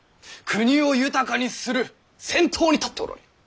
国を豊かにする先頭に立っておられる。